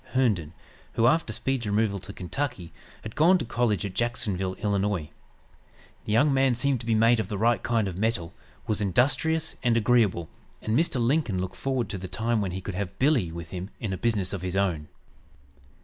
Herndon, who, after Speed's removal to Kentucky, had gone to college at Jacksonville, Ill. The young man seemed to be made of the right kind of metal, was industrious, and agreeable, and Mr. Lincoln looked forward to the time when he could have "Billy" with him in a business of his own.